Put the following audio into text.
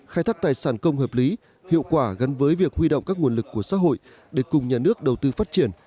khai thác tài sản công hợp lý hiệu quả gắn với việc huy động các nguồn lực của xã hội để cùng nhà nước đầu tư phát triển